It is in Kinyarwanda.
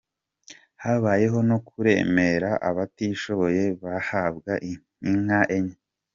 Habayeho no kuremera abatishoboye, bahabwa inka enye.